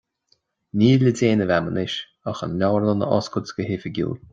Níl le déanamh agam anois ach an leabharlann a oscailt go hoifigiúil.